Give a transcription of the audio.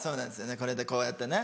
これでこうやってね。